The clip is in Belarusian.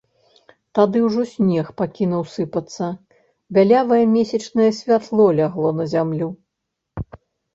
Тады ўжо снег пакінуў сыпацца, бялявае месячнае святло лягло на зямлю.